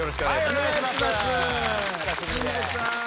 お願いします。